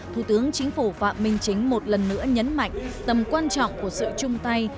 thủ tướng chính phủ phạm minh chính một lần nữa nhấn mạnh tầm quan trọng của sự chung tay